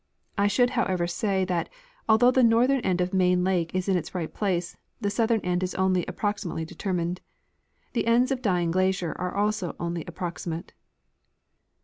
I should, however, say that although the northern end of Main lake is in its right place, the southern end is only approximately determined. The ends of Dying glacier are also only approximate.